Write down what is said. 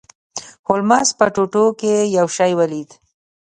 هولمز په ټوټو کې یو شی ولید.